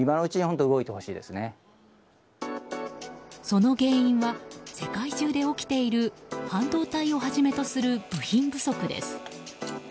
その原因は世界中で起きている半導体をはじめとする部品不足です。